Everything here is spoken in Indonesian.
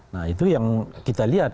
nah itu yang kita lihat